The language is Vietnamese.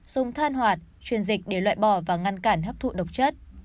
dùng than hoạt truyền dịch để loại bỏ và ngăn cản hấp thụ độc chất